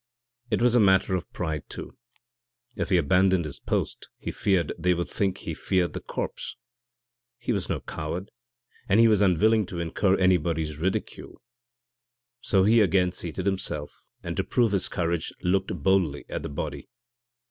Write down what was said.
It was a matter of pride, too. If he abandoned his post he feared they would think he feared the corpse. He was no coward and he was unwilling to incur anybody's ridicule. So he again seated himself, and to prove his courage looked boldly at the body.